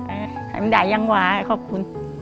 เออใครมันได้ยังว่าขอบคุณ